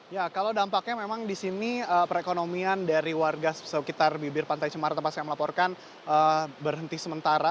ya kalau dampaknya memang di sini perekonomian dari warga sekitar bibir pantai cemara tempat saya melaporkan berhenti sementara